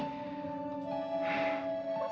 mas ramli adalah suamiku